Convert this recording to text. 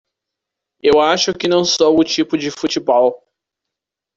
Eu acho que não sou o tipo de futebol.